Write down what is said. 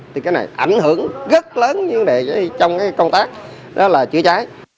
thì cái này ảnh hưởng rất lớn vấn đề trong cái công tác đó là chữa cháy